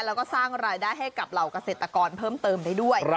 แล้วก็สร้างรายได้ให้กับเหล่าเกษตรกรเพิ่มเติมได้ด้วย